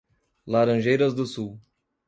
Laranjeiras do Sul